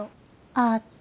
「ああ」って？